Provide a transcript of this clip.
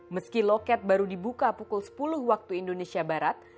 meski loket baru dibuka pukul sepuluh waktu indonesia barat